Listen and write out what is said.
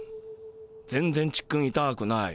全然ちっくんいたーくない。